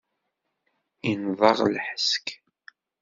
Inneḍ-aɣ lḥesk.